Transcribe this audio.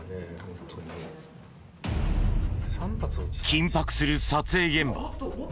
緊迫する撮影現場。